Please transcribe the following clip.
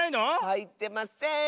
はいってません！